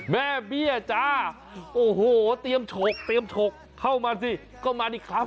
แม่เบี้ยจ้าโอ้โหเตรียมฉกเตรียมฉกเข้ามาสิก็มานี่ครับ